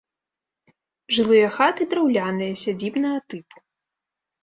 Жылыя хаты драўляныя сядзібнага тыпу.